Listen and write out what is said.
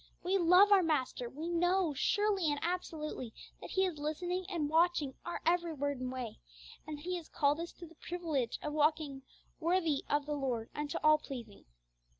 We love our Master; we know, surely and absolutely, that He is listening and watching our every word and way, and that He has called us to the privilege of walking 'worthy of the Lord unto all pleasing.'